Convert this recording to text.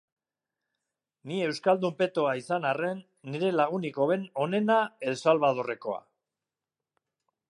Ni euskaldun petoa izan arren, nire lagunik onena El Salvadorrekoa.